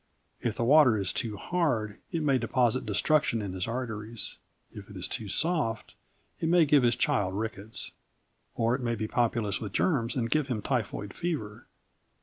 If the water is too hard, it may deposit destruction in his arteries. If it is too soft, it may give his child rickets. Or it may be populous with germs and give him typhoid fever.